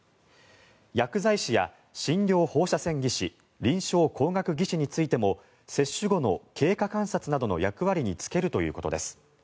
薬剤師や診療放射線技師臨床工学技士についても接種後の経過観察などの役割に就けるということです。